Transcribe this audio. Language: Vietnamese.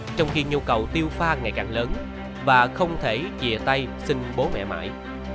trong khi nhu cầu tiêu pha ngày càng lớn và không thể chia tay sinh bố mẹ mãi